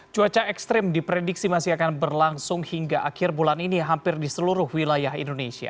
cuaca ekstrim diprediksi masih akan berlangsung hingga akhir bulan ini hampir di seluruh wilayah indonesia